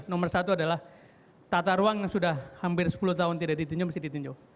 nomor satu adalah tata ruang yang sudah hampir sepuluh tahun tidak ditunjuk mesti ditunjuk